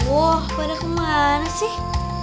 wah pada kemana sih